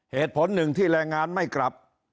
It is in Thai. เหตุผลหนึ่งที่แรงงานไม่กลับ